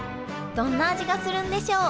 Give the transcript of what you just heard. どんな味がするんでしょう？